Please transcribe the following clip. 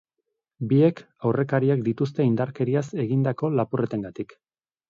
Biek aurrekariak dituzte indarkeriaz egindako lapurretengatik.